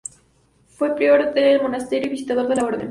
Fue prior del monasterio y visitador de la Orden.